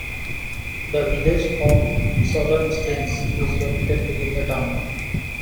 The Village of Solon Springs is located within the town.